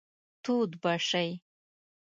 تود به شئ.